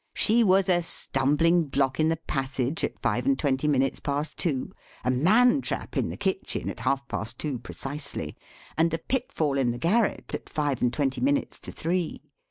She was a stumbling block in the passage at five and twenty minutes past two; a man trap in the kitchen at half past two precisely; and a pitfall in the garret at five and twenty minutes to three.